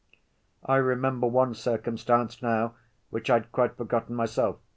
"I remember one circumstance now which I'd quite forgotten myself.